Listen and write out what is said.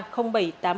có nhiều tàu